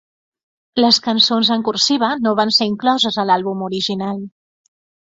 Les cançons en cursiva no van ser incloses a l'àlbum original.